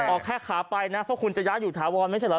ออกแค่ขาไปนะเพราะคุณจะย้ายอยู่ถาวรไม่ใช่เหรอ